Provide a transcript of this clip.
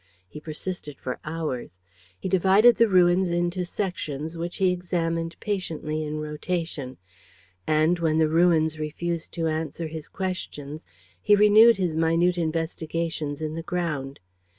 He persisted for hours. He divided the ruins into sections which he examined patiently in rotation; and, when the ruins refused to answer his questions, he renewed his minute investigations in the ground.